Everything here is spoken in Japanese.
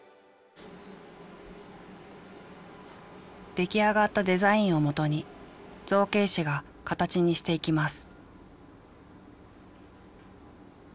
出来上がったデザインをもとに造形師が形にしていきます。